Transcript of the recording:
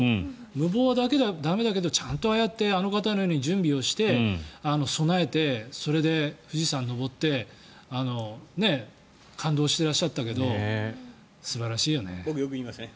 無謀は駄目だけどちゃんとああやってあの方のように準備をして備えて、それで富士山に登って感動してらっしゃったけど僕、よく言いますね。